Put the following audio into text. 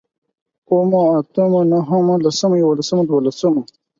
اوومو، اتمو، نهمو، لسمو، يوولسمو، دوولسمو